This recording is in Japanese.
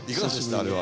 あれは？